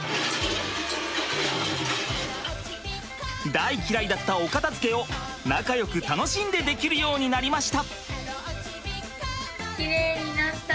大嫌いだったお片づけを仲よく楽しんでできるようになりました。